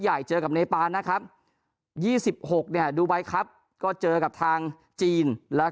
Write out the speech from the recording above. ใหญ่เจอกับเนปานนะครับ๒๖เนี่ยดูไบครับก็เจอกับทางจีนแล้ว